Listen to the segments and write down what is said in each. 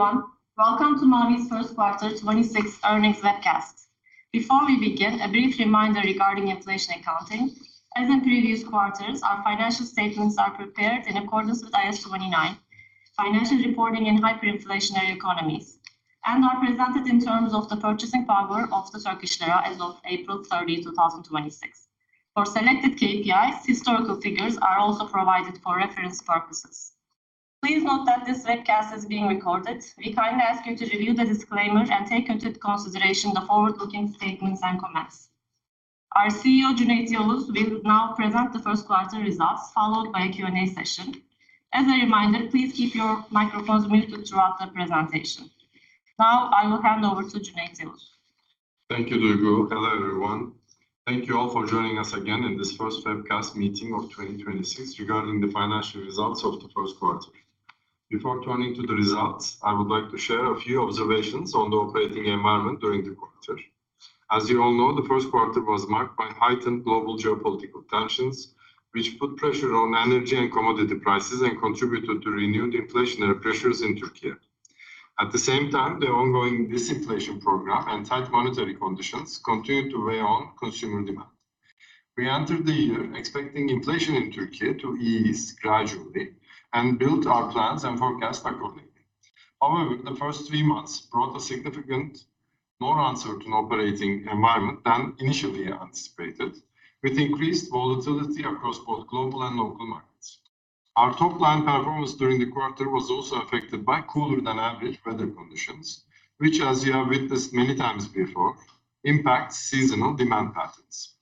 Hello, everyone. Welcome to Mavi's first quarter 2026 earnings webcast. Before we begin, a brief reminder regarding inflation accounting. As in previous quarters, our financial statements are prepared in accordance with IAS 29, Financial Reporting in Hyperinflationary Economies, and are presented in terms of the purchasing power of the Turkish lira as of April 30, 2026. For selected KPIs, historical figures are also provided for reference purposes. Please note that this webcast is being recorded. We kindly ask you to review the disclaimer and take into consideration the forward-looking statements and comments. Our CEO, Cüneyt Yavuz, will now present the first quarter results, followed by a Q&A session. As a reminder, please keep your microphones muted throughout the presentation. Now I will hand over to Cüneyt Yavuz. Thank you, Duygu. Hello, everyone. Thank you all for joining us again in this first webcast meeting of 2026 regarding the financial results of the first quarter. Before turning to the results, I would like to share a few observations on the operating environment during the quarter. As you all know, the first quarter was marked by heightened global geopolitical tensions, which put pressure on energy and commodity prices and contributed to renewed inflationary pressures in Türkiye. At the same time, the ongoing disinflation program and tight monetary conditions continued to weigh on consumer demand. We entered the year expecting inflation in Türkiye to ease gradually and built our plans and forecasts accordingly. However, the first three months brought a significantly more uncertain operating environment than initially anticipated, with increased volatility across both global and local markets. Our top-line performance during the quarter was also affected by cooler-than-average weather conditions, which, as you have witnessed many times before, impacts seasonal demand patterns.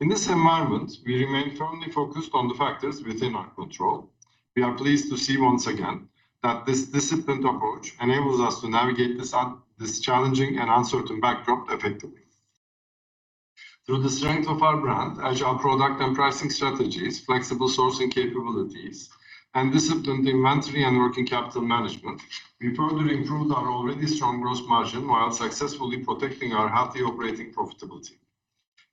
In this environment, we remain firmly focused on the factors within our control. We are pleased to see once again that this disciplined approach enables us to navigate this challenging and uncertain backdrop effectively. Through the strength of our brand, agile product and pricing strategies, flexible sourcing capabilities, and disciplined inventory and working capital management, we further improved our already strong gross margin while successfully protecting our healthy operating profitability.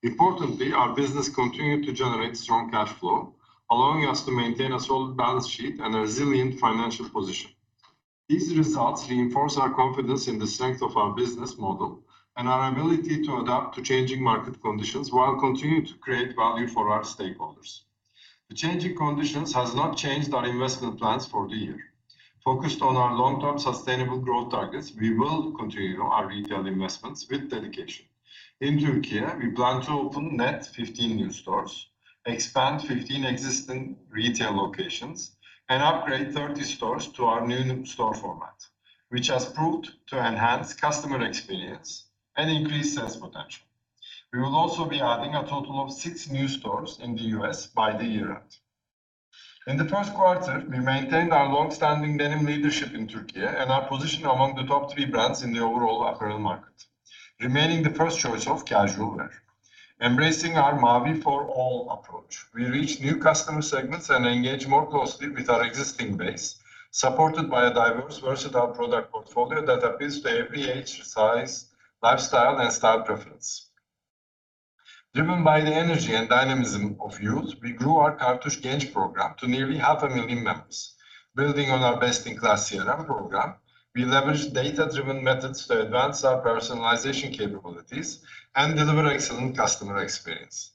Importantly, our business continued to generate strong cash flow, allowing us to maintain a solid balance sheet and a resilient financial position. These results reinforce our confidence in the strength of our business model and our ability to adapt to changing market conditions while continuing to create value for our stakeholders. The changing conditions have not changed our investment plans for the year. Focused on our long-term sustainable growth targets, we will continue our retail investments with dedication. In Türkiye, we plan to open net 15 new stores, expand 15 existing retail locations, and upgrade 30 stores to our new store format, which has proved to enhance customer experience and increase sales potential. We will also be adding a total of six new stores in the U.S. by the year-end. In the first quarter, we maintained our longstanding denim leadership in Türkiye and our position among the top three brands in the overall apparel market, remaining the first choice of casual wear. Embracing our Mavi for all approach, we reach new customer segments and engage more closely with our existing base, supported by a diverse, versatile product portfolio that appeals to every age, size, lifestyle, and style preference. Driven by the energy and dynamism of youth, we grew our Kardeş Genç program to nearly 500,000 members. Building on our best-in-class CRM program, we leveraged data-driven methods to advance our personalization capabilities and deliver excellent customer experience.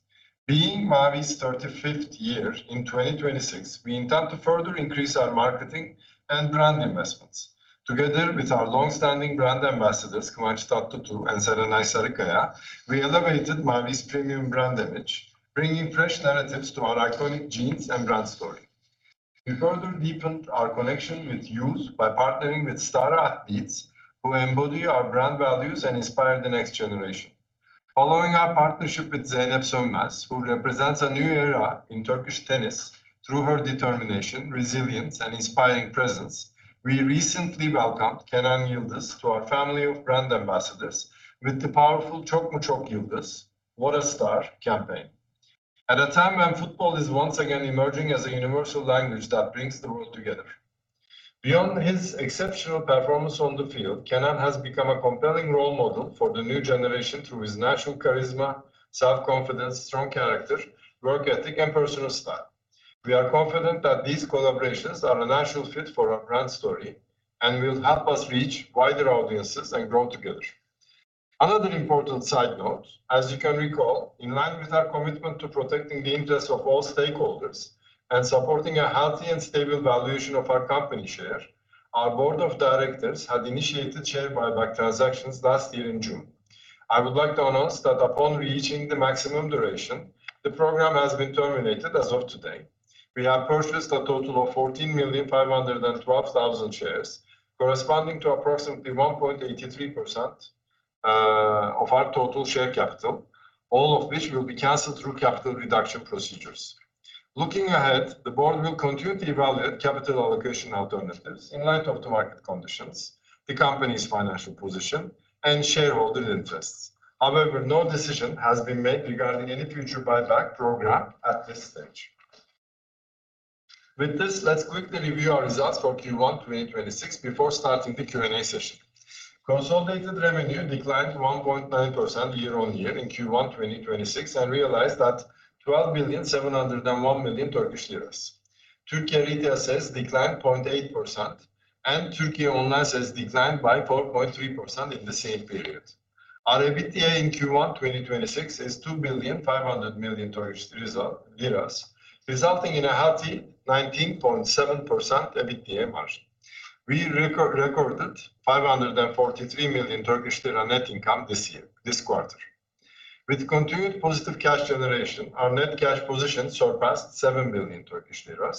Being Mavi's 35th year in 2026, we intend to further increase our marketing and brand investments. Together with our longstanding brand ambassadors, Kıvanç Tatlıtuğ and Serenay Sarıkaya, we elevated Mavi's premium brand image, bringing fresh narratives to our iconic jeans and brand story. We further deepened our connection with youth by partnering with star athletes who embody our brand values and inspire the next generation. Following our partnership with Zeynep Sönmez, who represents a new era in Turkish tennis through her determination, resilience, and inspiring presence, we recently welcomed Kenan Yıldız to our family of brand ambassadors with the powerful Çok Mu Çok Yıldız, What a Star, campaign. At a time when football is once again emerging as a universal language that brings the world together. Beyond his exceptional performance on the field, Kenan has become a compelling role model for the new generation through his natural charisma, self-confidence, strong character, work ethic, and personal style. We are confident that these collaborations are a natural fit for our brand story and will help us reach wider audiences and grow together. Another important side note, as you can recall, in line with our commitment to protecting the interests of all stakeholders and supporting a healthy and stable valuation of our company share, our board of directors had initiated share buyback transactions last year in June. I would like to announce that upon reaching the maximum duration, the program has been terminated as of today. We have purchased a total of 14,512,000 shares, corresponding to approximately 1.83% of our total share capital, all of which will be canceled through capital reduction procedures. Looking ahead, the board will continue to evaluate capital allocation alternatives in light of the market conditions, the company's financial position, and shareholder interests. However, no decision has been made regarding any future buyback program at this stage. With this, let's quickly review our results for Q1 2026 before starting the Q&A session. Consolidated revenue declined 1.9% year-on-year in Q1 2026 and realized 12,701,000,000 Turkish lira. Türkiye retail sales declined 0.8%, and Türkiye online sales declined by 4.3% in the same period. Our EBITDA in Q1 2026 is 2,500,000,000 Turkish lira, resulting in a healthy 19.7% EBITDA margin. We recorded 543 million Turkish lira net income this year, this quarter. With continued positive cash generation, our net cash position surpassed 7 billion Turkish lira.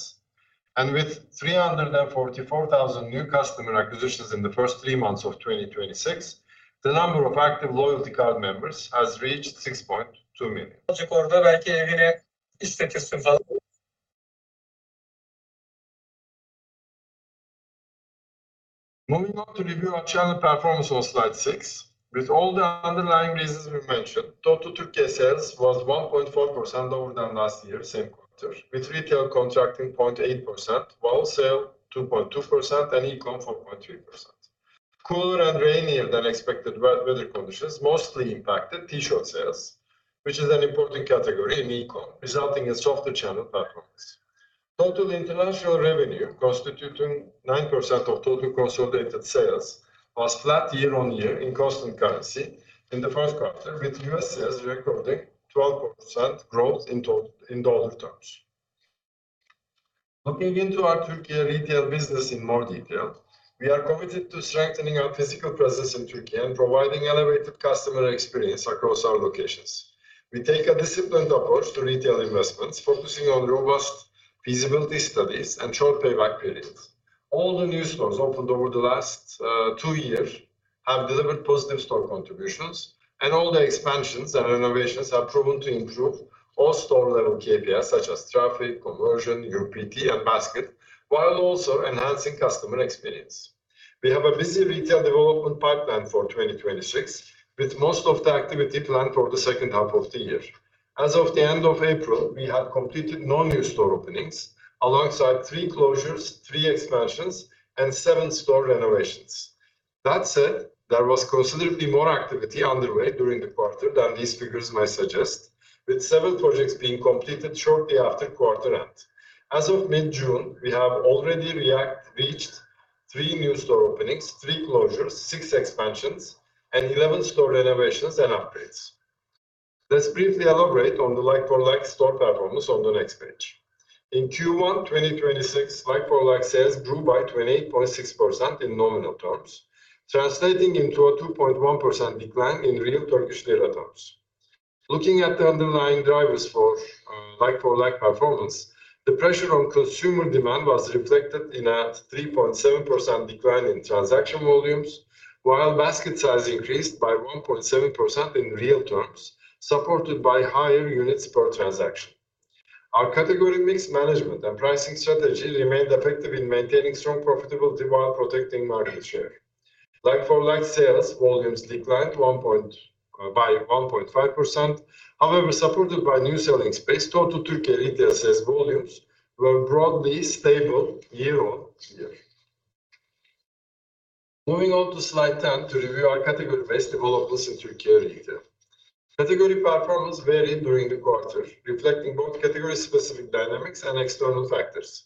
With 344,000 new customer acquisitions in the first three months of 2026, the number of active loyalty card members has reached 6.2 million. Moving on to review our channel performance on slide six. With all the underlying reasons we mentioned, total Türkiye sales was 1.4% lower than last year, same quarter, with retail contracting 0.8%, wholesale 2.2%, and e-com 4.3%. Cooler and rainier than expected weather conditions mostly impacted T-shirt sales, which is an important category in e-com, resulting in softer channel performance. Total international revenue, constituting 9% of total consolidated sales, was flat year-on-year in constant currency in the first quarter, with U.S. sales recording 12% growth in dollar terms. Looking into our Türkiye retail business in more detail, we are committed to strengthening our physical presence in Türkiye and providing elevated customer experience across our locations. We take a disciplined approach to retail investments, focusing on robust feasibility studies and short payback periods. All the new stores opened over the last two years have delivered positive store contributions, and all the expansions and renovations have proven to improve all store-level KPIs such as traffic, conversion, UPT, and basket, while also enhancing customer experience. We have a busy retail development pipeline for 2026, with most of the activity planned for the second half of the year. As of the end of April, we have completed no new store openings alongside three closures, three expansions, and seven store renovations. That said, there was considerably more activity underway during the quarter than these figures might suggest, with seven projects being completed shortly after quarter-end. As of mid-June, we have already reached three new store openings, three closures, six expansions, and 11 store renovations and upgrades. Let's briefly elaborate on the like-for-like store performance on the next page. In Q1 2026, like-for-like sales grew by 28.6% in nominal terms, translating into a 2.1% decline in real TRY terms. Looking at the underlying drivers for like-for-like performance, the pressure on consumer demand was reflected in a 3.7% decline in transaction volumes, while basket size increased by 1.7% in real terms, supported by higher units per transaction. Our category mix management and pricing strategy remained effective in maintaining strong profitability while protecting market share. Like-for-like sales volumes declined by 1.5%. However, supported by new selling space, total Türkiye retail sales volumes were broadly stable year-on-year. Moving on to slide 10 to review our category-based developments in Türkiye retail. Category performance varied during the quarter, reflecting both category-specific dynamics and external factors.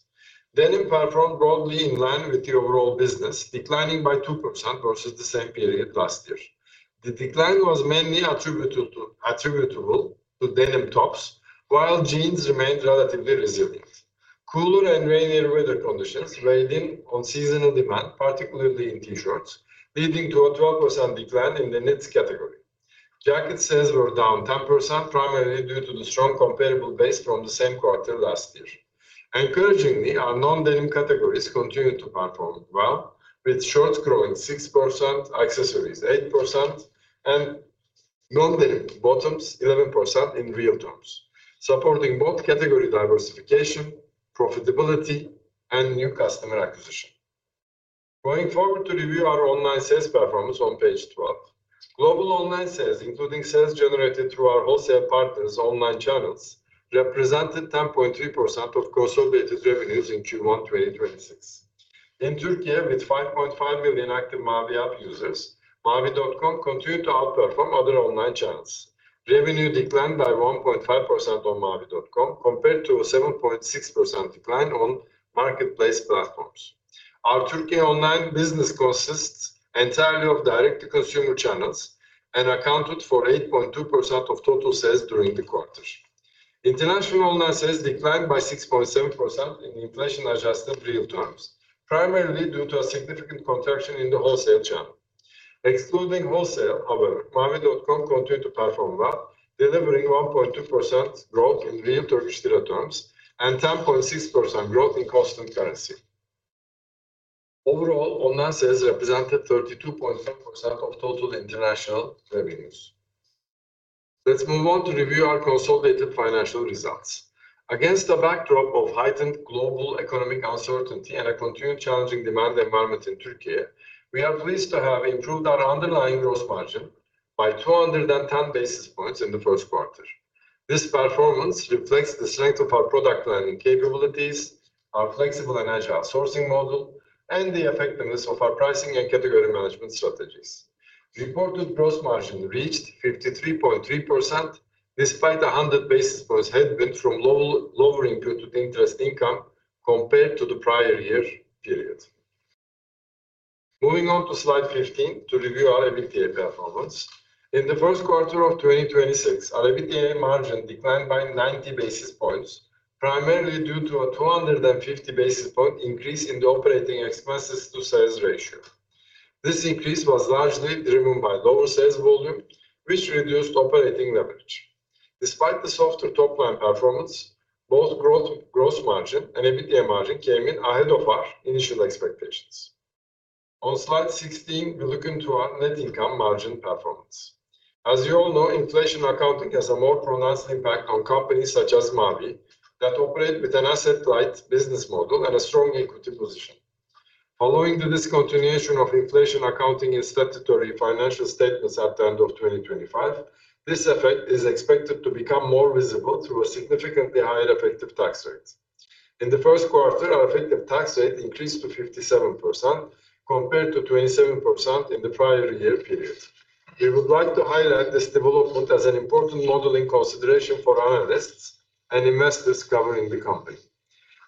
Denim performed broadly in line with the overall business, declining by 2% versus the same period last year. The decline was mainly attributable to denim tops, while jeans remained relatively resilient. Cooler and rainier weather conditions weighed in on seasonal demand, particularly in T-shirts, leading to a 12% decline in the knits category. Jacket sales were down 10%, primarily due to the strong comparable base from the same quarter last year. Encouragingly, our non-denim categories continued to perform well, with shorts growing 6%, accessories 8%, and non-denim bottoms 11% in real terms, supporting both category diversification, profitability, and new customer acquisition. Going forward, to review our online sales performance on page 12. Global online sales, including sales generated through our wholesale partners' online channels, represented 10.3% of consolidated revenues in Q1 2026. In Türkiye, with 5.5 million active mavi.com users, mavi.com continued to outperform other online channels. Revenue declined by 1.5% on mavi.com, compared to a 7.6% decline on marketplace platforms. Our Türkiye online business consists entirely of direct-to-consumer channels and accounted for 8.2% of total sales during the quarter. International online sales declined by 6.7% in inflation-adjusted real terms, primarily due to a significant contraction in the wholesale channel. Excluding wholesale, however, mavi.com continued to perform well, delivering 1.2% growth in real TRY terms and 10.6% growth in constant currency. Overall, online sales represented 32.4% of total international revenues. Let's move on to review our consolidated financial results. Against a backdrop of heightened global economic uncertainty and a continued challenging demand environment in Türkiye, we are pleased to have improved our underlying gross margin by 210 basis points in the first quarter. This performance reflects the strength of our product planning capabilities, our flexible and agile sourcing model, and the effectiveness of our pricing and category management strategies. Reported gross margin reached 53.3%, despite 100 basis points headwind from lower imputed interest income compared to the prior year period. Moving on to slide 15 to review our EBITDA performance. In the first quarter of 2026, our EBITDA margin declined by 90 basis points, primarily due to a 250 basis point increase in the operating expenses to sales ratio. This increase was largely driven by lower sales volume, which reduced operating leverage. Despite the softer top-line performance, both gross margin and EBITDA margin came in ahead of our initial expectations. On slide 16, we look into our net income margin performance. As you all know, inflation accounting has a more pronounced impact on companies such as Mavi that operate with an asset-light business model and a strong equity position. Following the discontinuation of inflation accounting in statutory financial statements at the end of 2025, this effect is expected to become more visible through a significantly higher effective tax rate. In the first quarter, our effective tax rate increased to 57%, compared to 27% in the prior year period. We would like to highlight this development as an important modeling consideration for analysts and investors covering the company.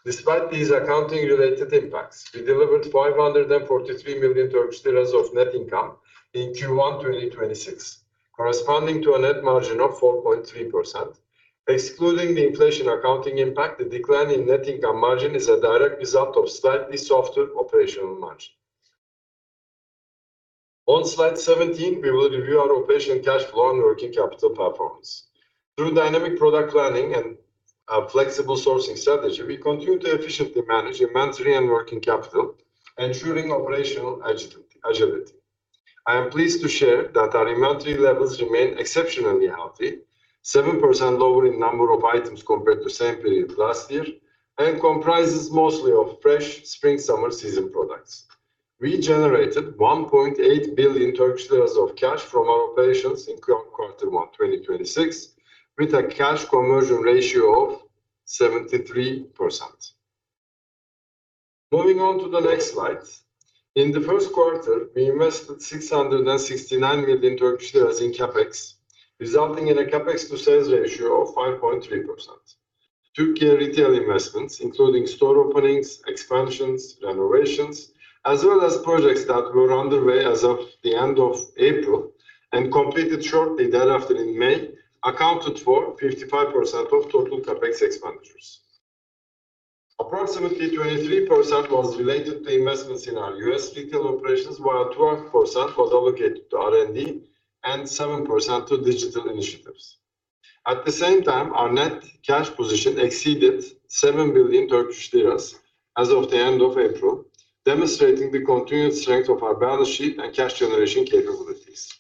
Despite these accounting-related impacts, we delivered 543 million Turkish lira of net income in Q1 2026, corresponding to a net margin of 4.3%. Excluding the inflation accounting impact, the decline in net income margin is a direct result of slightly softer operational margin. On slide 17, we will review our operational cash flow and working capital performance. Through dynamic product planning and a flexible sourcing strategy, we continue to efficiently manage inventory and working capital, ensuring operational agility. I am pleased to share that our inventory levels remain exceptionally healthy, 7% lower in number of items compared to the same period last year, and comprises mostly of fresh spring/summer season products. We generated 1.8 billion Turkish lira of cash from our operations in quarter one 2026, with a cash conversion ratio of 73%. Moving on to the next slide. In the first quarter, we invested 669 million Turkish lira in CapEx, resulting in a CapEx to sales ratio of 5.3%. Türkiye retail investments, including store openings, expansions, renovations, as well as projects that were underway as of the end of April and completed shortly thereafter in May, accounted for 55% of total CapEx expenditures. Approximately 23% was related to investments in our U.S. retail operations, while 12% was allocated to R&D and 7% to digital initiatives. At the same time, our net cash position exceeded 7 billion Turkish lira as of the end of April, demonstrating the continued strength of our balance sheet and cash generation capabilities.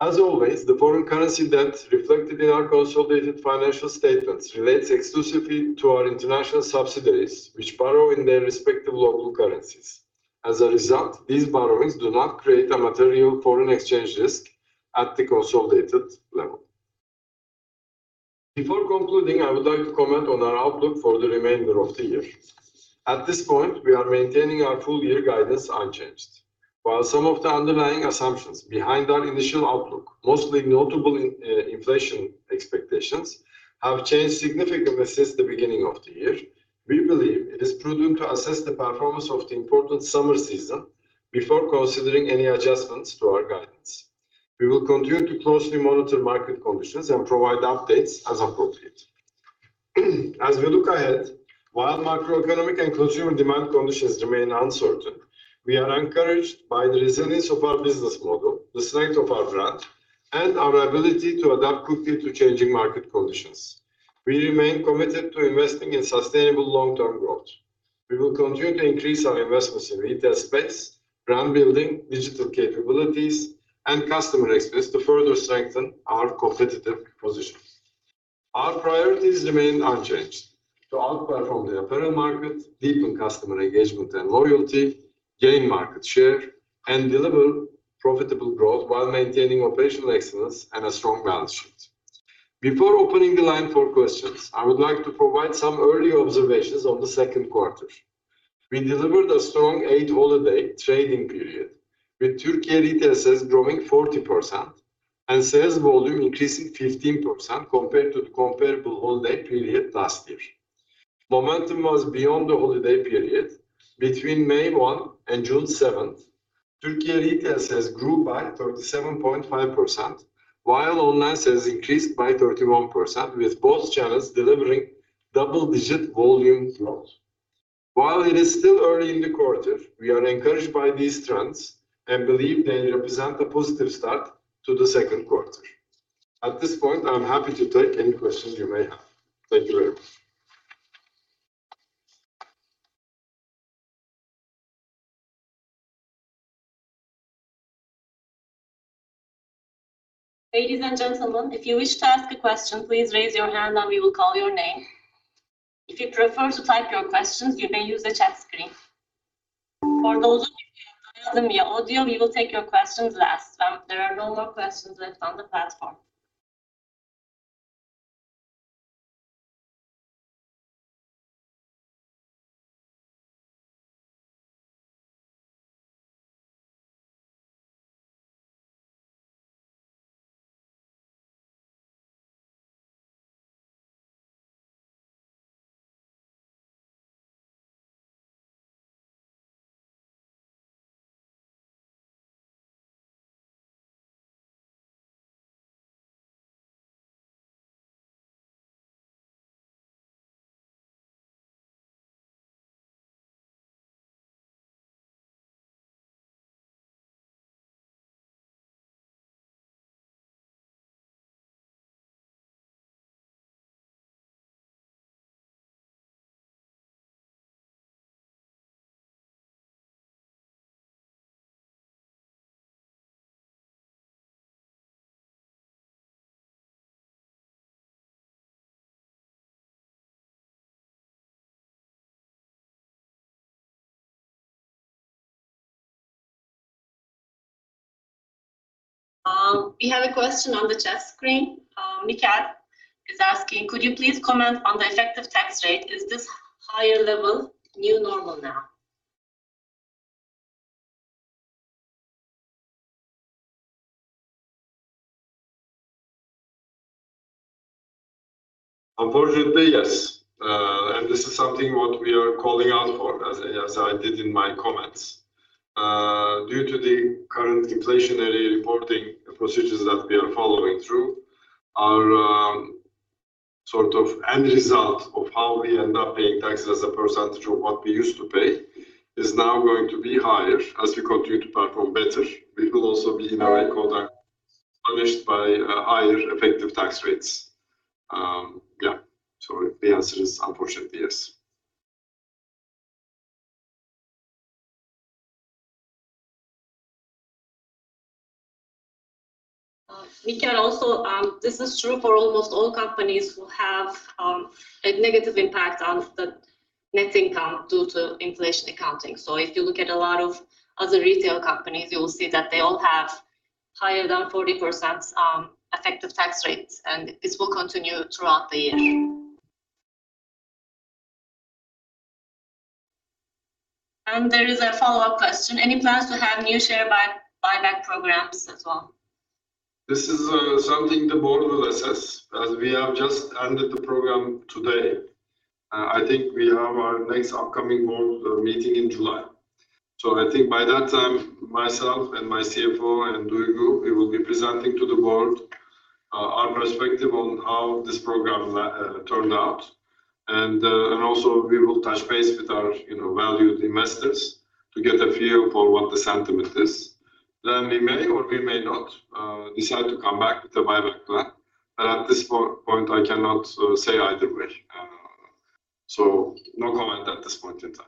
As always, the foreign currency debt reflected in our consolidated financial statements relates exclusively to our international subsidiaries, which borrow in their respective local currencies. As a result, these borrowings do not create a material foreign exchange risk at the consolidated level. Before concluding, I would like to comment on our outlook for the remainder of the year. At this point, we are maintaining our full year guidance unchanged. While some of the underlying assumptions behind our initial outlook, most notably inflation expectations, have changed significantly since the beginning of the year, we believe it is prudent to assess the performance of the important summer season before considering any adjustments to our guidance. We will continue to closely monitor market conditions and provide updates as appropriate. As we look ahead, while macroeconomic and consumer demand conditions remain uncertain, we are encouraged by the resilience of our business model, the strength of our brand, and our ability to adapt quickly to changing market conditions. We remain committed to investing in sustainable long-term growth. We will continue to increase our investments in retail space, brand building, digital capabilities, and customer experience to further strengthen our competitive position. Our priorities remain unchanged: to outperform the apparel market, deepen customer engagement and loyalty, gain market share, and deliver profitable growth while maintaining operational excellence and a strong balance sheet. Before opening the line for questions, I would like to provide some early observations on the second quarter. We delivered a strong Eid holiday trading period, with Türkiye retail sales growing 40% and sales volume increasing 15% compared to the comparable holiday period last year. Momentum was beyond the holiday period. Between May 1 and June 7, Türkiye retail sales grew by 37.5%, while online sales increased by 31%, with both channels delivering double-digit volume growth. While it is still early in the quarter, we are encouraged by these trends and believe they represent a positive start to the second quarter. At this point, I'm happy to take any questions you may have. Thank you very much. Ladies and gentlemen, if you wish to ask a question, please raise your hand, and we will call your name. If you prefer to type your questions, you may use the chat screen. For those of you who have muted your audio, we will take your questions last. There are no more questions left on the platform. We have a question on the chat screen. Michal is asking, could you please comment on the effective tax rate? Is this higher-level new normal now? Unfortunately, yes. This is something what we are calling out for, as I did in my comments. Due to the current inflationary reporting procedures that we are following through, our end result of how we end up paying taxes as a percentage of what we used to pay is now going to be higher. As we continue to perform better, we will also be in a high tax punished by higher effective tax rates. Yeah, the answer is unfortunately, yes. Michal, this is true for almost all companies who have a negative impact on the net income due to inflation accounting. If you look at a lot of other retail companies, you will see that they all have higher than 40% effective tax rates, and this will continue throughout the year. There is a follow-up question. Any plans to have new share buyback programs as well? This is something the board will assess, as we have just ended the program today. I think we have our next upcoming board meeting in July. I think by that time, myself and my CFO, and Duygu, we will be presenting to the board our perspective on how this program turned out. Also, we will touch base with our valued investors to get a feel for what the sentiment is. Then we may, or we may not, decide to come back with a buyback plan, but at this point, I cannot say either way. No comment at this point in time.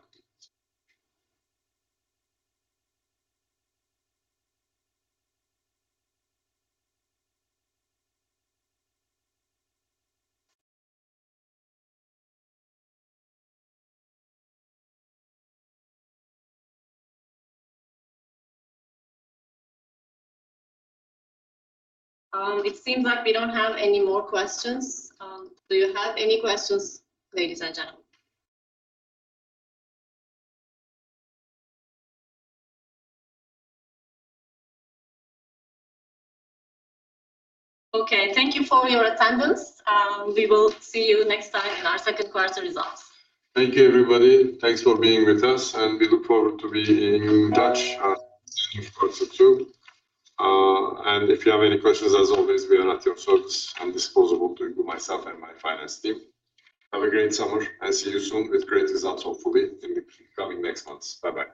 It seems like we don't have any more questions. Do you have any questions, ladies and gentlemen? Okay, thank you for your attendance. We will see you next time in our second-quarter results. Thank you, everybody. Thanks for being with us, and we look forward to being in touch in the second quarter, too. If you have any questions, as always, we are at your service and disposal, Duygu, myself, and my finance team. Have a great summer, and see you soon with great results, hopefully, in the coming next months. Bye-bye.